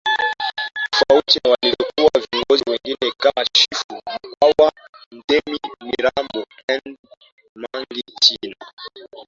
tofauti na walivyokuwa viongozi wengine kama Chifu Mkwawa Mtemi Mirambo and Mangi Sina